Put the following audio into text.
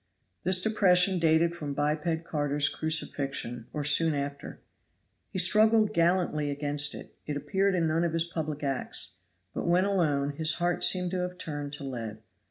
This depression dated from biped Carter's crucifixion or soon after. He struggled gallantly against it; it appeared in none of his public acts. But when alone his heart seemed to have turned to lead.